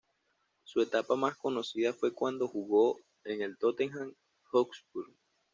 Su etapa más conocida fue cuando jugó en el Tottenham Hotspur.